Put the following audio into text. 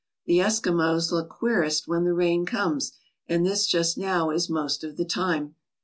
The Eskimos look queerest when the rain comes, and this just now is most of the time.